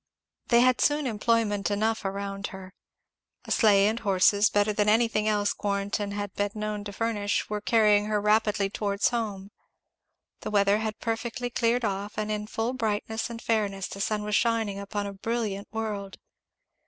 They had soon employment enough around her. A sleigh and horses better than anything else Quarrenton had been known to furnish, were carrying her rapidly towards home; the weather had perfectly cleared off, and in full brightness and fairness the sun was shining upon a brilliant world.